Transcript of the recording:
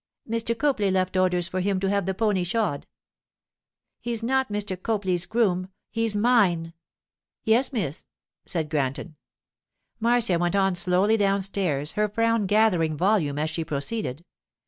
'Mr. Copley left orders for him to have the pony shod.' 'He's not Mr. Copley's groom; he's mine.' 'Yes, miss,' said Granton. Marcia went on slowly downstairs, her frown gathering volume as she proceeded.